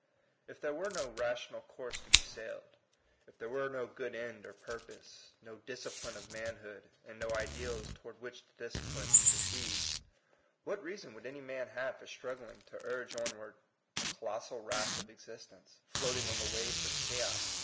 If there were no rational course to be sailed, if there were no good end or purpose, no disci pline of manhood, and no ideals toward which this discipline proceeds, what reason 80 THE COMING PEOPLE. would any man have for struggling to urge onward a colossal raft of existence, floating on the waves of chaos?